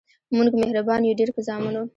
مونږ مهربان یو ډیر په زامنو